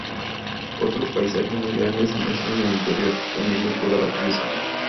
Otro paisaje muy grande se muestra en el interior, uniendo toda la pieza.